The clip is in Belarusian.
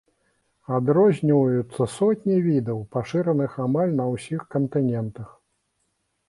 Адрозніваюцца сотні відаў, пашыраных амаль на ўсіх кантынентах.